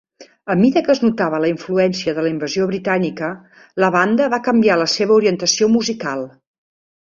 A mida que es notava la influència de la invasió britànica, la banda va canviar la seva orientació musical.